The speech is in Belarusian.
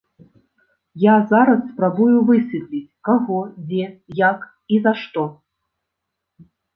Я зараз спрабую высветліць, каго, дзе, як і за што.